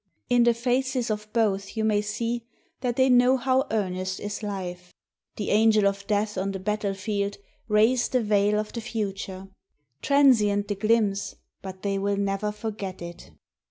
In the faces of both you may see that they know how earnest is life... The Angel of Death on the battle field raised the veil of the Future: transient the glimpse, but they will never forget it...